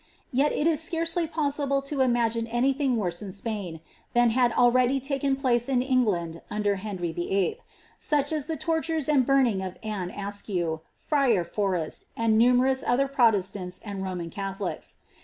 Yet 12 is scarcely possible to imagine any thing worse in Spain, than had already taken place in England under Henry VIII. ; such as the torturei and buniing of Anne Askew, Friar Forrest, and numerous other Pro testants and Roman Catholics.